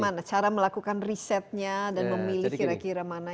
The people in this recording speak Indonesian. bagaimana cara melakukan risetnya dan memilih kira kira mana